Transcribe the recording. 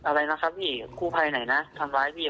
อะไรนะครับพี่กู้ภัยไหนนะทำร้ายพี่